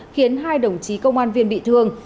khiến hai đồng chí công an viên bị thương